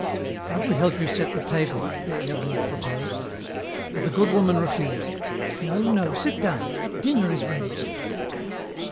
"Can't we help you set the table?" Des Hermies proposed. But the good woman refused. "No, no, sit down. Dinner is ready."